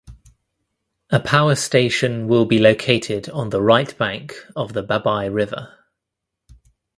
A power station will be located on the right bank of the Babai River.